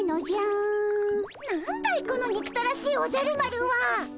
なんだいこのにくたらしいおじゃる丸は。